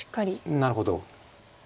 なるほど。